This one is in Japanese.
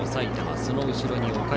その後ろに岡山。